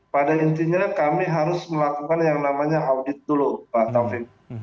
pada intinya kami harus melakukan yang namanya audit dulu pak taufik